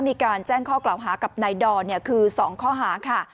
มีการแจ้งข้อกล่าวหากับนายดอนคือ๒ข้อหาค่ะ